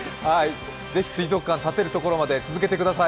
ぜひ水族館を建てるところまで続けてください。